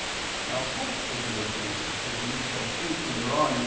Now hope is a virtue, as we shall state further on (Q.